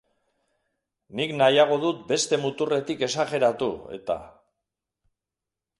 Nik nahiago dut beste muturretik esajeratu, eta.